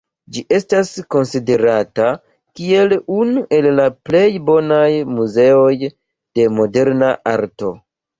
Ĝi estas konsiderata kiel unu el la plej bonaj muzeoj de moderna arto.